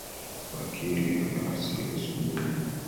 Wakili amewasili asubuhi.